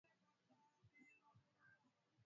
spishi ya falciparuum anaweza kuleta malaria kali